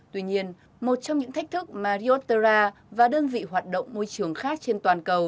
tuy nhiên một trong những thách thức mà rioterra và đơn vị hoạt động môi trường khác trên toàn cầu